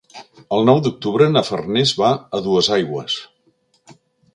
El nou d'octubre na Farners va a Duesaigües.